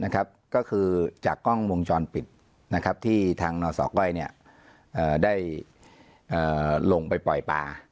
ก็คือจากกล้องวงจรปิดที่ทางนศก้อยได้ลงไปปล่อยป่า